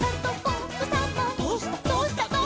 「どうした？